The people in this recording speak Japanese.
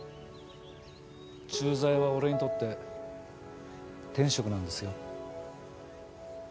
駐在は俺にとって天職なんですよ。